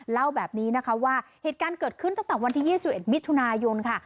เล่าแบบนี้นะคะว่าเหตุการณ์เกิดขึ้นตั้งแต่วันที่๒๑มิถุนายนค่ะ